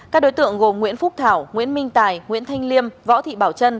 các đối tượng gồm nguyễn phúc thảo nguyễn minh tài nguyễn thanh liêm võ thị bảo trân